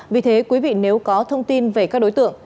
vì thế quý vị nếu có thông tin về các đối tượng